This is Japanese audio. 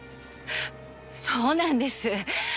そうなんです。